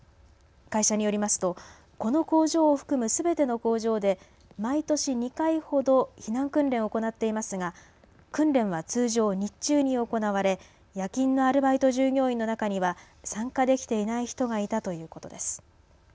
会社によりますと、この工場を含むすべての工場で毎年２回ほど避難訓練を行っていますが訓練は通常日中に行われ夜勤のアルバイト従業員の中には参加できていない人がいたということです。